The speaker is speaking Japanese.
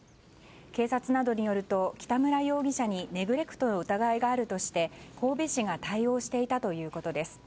警察などによりますと北村容疑者にネグレクトの疑いがあるとして神戸市が対応していたということです。